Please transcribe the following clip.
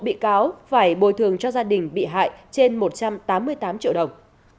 bị cáo phải bồi thường cho gia đình bị hại trên một trăm tám mươi tám triệu đồng